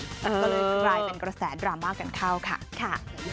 ก็เลยกลายเป็นกระแสดราม่ากันเข้าค่ะ